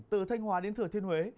từ thanh hòa đến thừa thiên huế